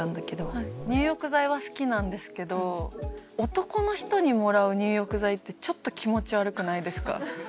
入浴剤は好きなんですけど男の人にもらう入浴剤ってちょっと気持ち悪くないですか？